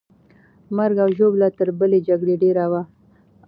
مرګ او ژوبله تر بلې جګړې ډېره وه.